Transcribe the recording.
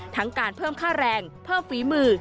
ทั้งการเพิ่มค่าแรงเพิ่มฝีมือ